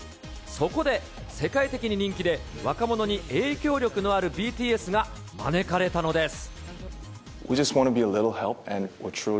そこで、世界的に人気で、若者に影響力のあるＢＴＳが招かれたのです。